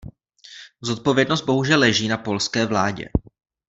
Zodpovědnost bohužel leží na polské vládě.